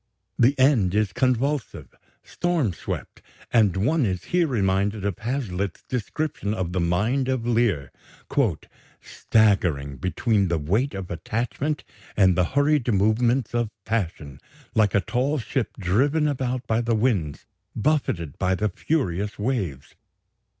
The end is convulsive, storm swept; and one is here reminded of Hazlitt's description of the mind of Lear, "staggering between the weight of attachment and the hurried movements of passion, like a tall ship driven about by the winds, buffeted by the furious waves